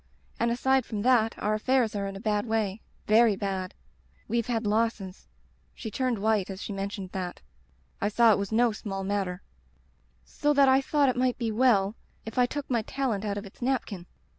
And aside from that our affairs are in a bad way — ^very bad. WeVe had losses' — she turned white as she mentioned that. I saw it was no small matter — *so that I thought it might be well if I took my talent out of its napkin.